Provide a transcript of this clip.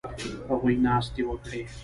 هغوی ناستې وکړې